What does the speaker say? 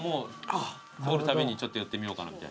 通るたびにちょっと寄ってみようかなみたいな。